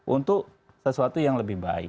untuk sesuatu yang lebih baik